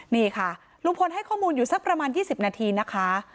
นี่ค่ะลุงพลให้ข้อมูลอยู่สักประมาณ๒๐นาทีนะคะ